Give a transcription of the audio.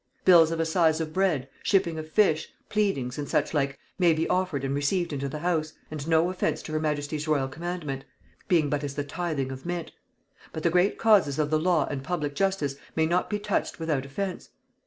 Bills of assize of bread, shipping of fish, pleadings, and such like, may be offered and received into the house, and no offence to her majesty's royal commandment (being but as the tything of mint); but the great causes of the law and public justice may not be touched without offence.